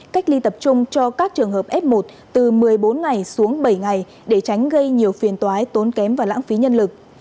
cách ly tập trung cho các trường hợp f một từ một mươi bốn ngày xuống bảy ngày để tránh gây nhiều phiền toái tốn kém và lãng phí nhân lực